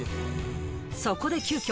そこで急きょ